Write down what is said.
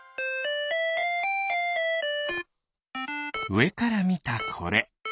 うえからみたこれ。